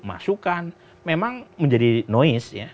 masukan memang menjadi noise